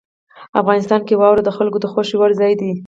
افغانستان کې واوره د خلکو د خوښې وړ ځای دی.